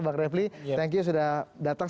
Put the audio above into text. bang refli terima kasih sudah datang